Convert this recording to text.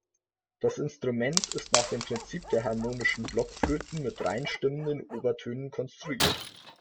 Das Instrument ist nach dem Prinzip der harmonischen Blockflöten mit rein stimmenden Obertönen konstruiert.